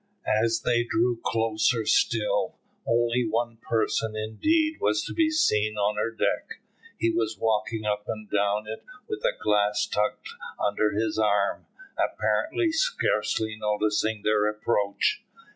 As they drew closer still, only one person indeed was to be seen on her deck. He was walking up and down it with a glass tucked under his arm, apparently scarcely noticing their approach.